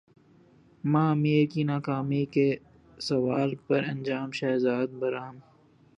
ماہ میر کی ناکامی کے سوال پر انجم شہزاد برہم